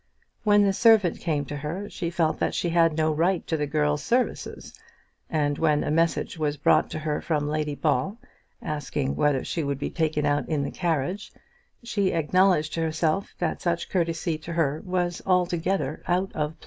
When the servant came to her, she felt that she had no right to the girl's services; and when a message was brought to her from Lady Ball, asking whether she would be taken out in the carriage, she acknowledged to herself that such courtesy to her was altogether out of place.